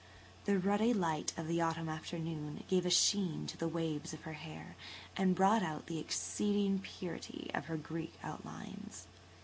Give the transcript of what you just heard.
The ruddy light of the autumn afternoon gave a sheen to the waves of her hair and brought out the exceeding purity of her Greek outlines.